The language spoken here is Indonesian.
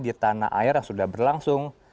di tanah air yang sudah berlangsung